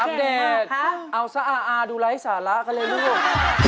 อัพเดทเอาสะอาอาดูไรให้สาระก็เลยลูก